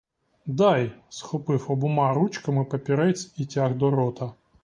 Дай, — схопив обома ручками папірець і тяг до рота.